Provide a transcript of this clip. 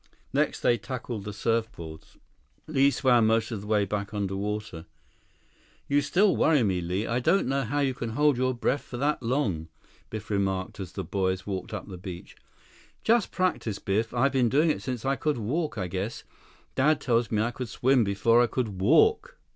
Next they tackled the surfboards. Li swam most of the way back under water. "You still worry me, Li. I don't know how you can hold your breath that long," Biff remarked as the boys walked up the beach. "Just practice, Biff. I've been doing it since I could walk, I guess. Dad tells me I could swim before I could walk."